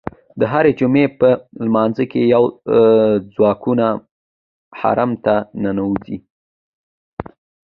د هرې جمعې په لمانځه کې یې ځواکونه حرم ته ننوځي.